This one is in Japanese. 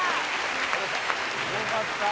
・よかった。